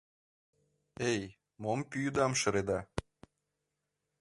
— Эй, мом пӱйдам шыреда?